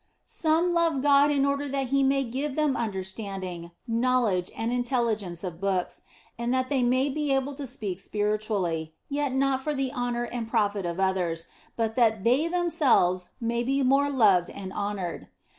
Some love God in order that He may give them under standing, knowledge, and intelligence of books, and that they may be able to speak spiritually, yet not for the honour and profit of others, but that they themselves may be more loved and honoured.